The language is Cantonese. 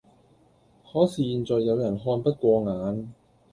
可是現在有人看不過眼